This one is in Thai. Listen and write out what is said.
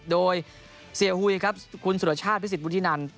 โดยเสียหุยครับคุณสุรชาติพิสิทธวุฒินัน